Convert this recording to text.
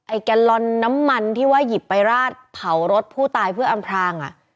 แกลลอนน้ำมันที่ว่าหยิบไปราดเผารถผู้ตายเพื่ออำพรางอ่ะ